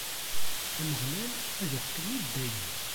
Ameɣlal ad iḥkem i dayem.